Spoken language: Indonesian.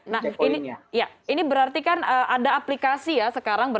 nah ini berarti kan ada aplikasi ya sekarang